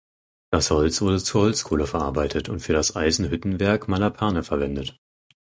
Das Holz wurde zu Holzkohle verarbeitet und für das Eisenhüttenwerk Malapane verwendet.